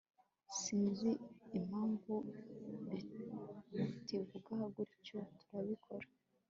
Sinzi impamvu tubivuga gutya turabikora